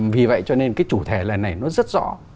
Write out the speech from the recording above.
vì vậy cho nên cái chủ thể này nó rất rõ